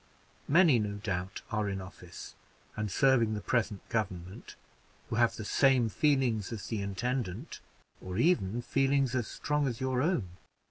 Many, no doubt, are in office, and serving the present government, who have the same feelings as the intendant, or even feelings as strong as your own."